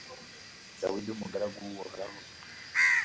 dawudi, umugaragu w'uhoraho